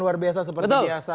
luar biasa seperti biasa